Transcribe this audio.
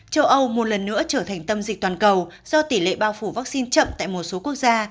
châu âu một lần nữa trở thành tâm dịch toàn cầu do tỷ lệ bao phủ vaccine chậm tại một số quốc gia